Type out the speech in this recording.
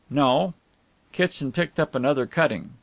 "No." Kitson picked up another cutting.